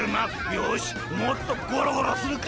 よしもっとゴロゴロするか！